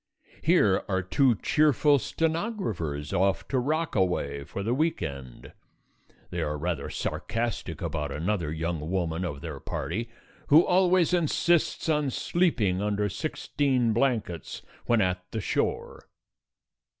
Here are two cheerful stenographers off to Rockaway for the week end. They are rather sarcastic about another young woman of their party who always insists on sleeping under sixteen blankets when at the shore.